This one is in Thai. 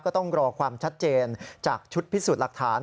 ก็ต้องรอความชัดเจนจากชุดพิสูจน์หลักฐาน